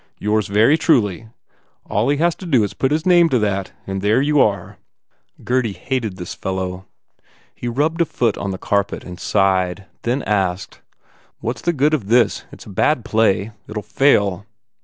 Yours very truly. All he has to do is to put his name to that and there you ane." Gurdy hated this fellow. He rubbed a foot on the carpet and sighed, then asked, "What s the good of this? It s a bad play. It ll fair.